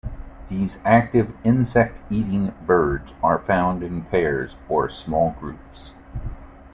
These active insect-eating birds are found in pairs or small groups.